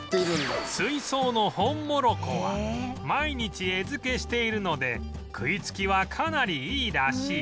水槽のホンモロコは毎日餌付けしているので食いつきはかなりいいらしい